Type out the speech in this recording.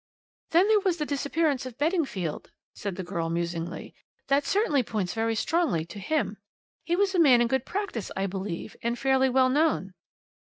"Then there was the disappearance of Beddingfield," said the girl musingly. "That certainly points very strongly to him. He was a man in good practice, I believe, and fairly well known."